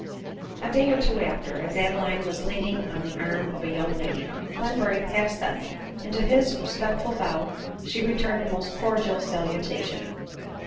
A day or two after, as Adeline was leaning on the arm of a young lady, Glenmurray passed them, and to his re spectful bow she returned a most cordial salutation.